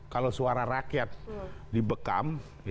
kalau suara rakyat dibekam